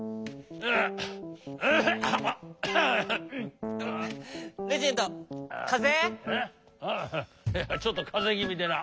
えっああいやちょっとかぜぎみでな。